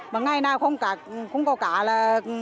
mà ngày nào không có cả là